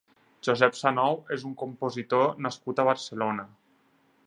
Josep Sanou és un compositor nascut a Barcelona.